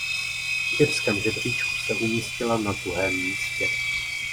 V irském žebříčku se umístila na druhém místě.